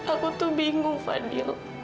aku tuh bingung fadil